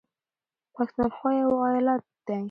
پښنونخوا يو ايالت دى